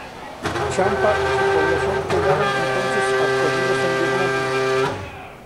Champa y su población quedaban entonces absorbidos en Vietnam.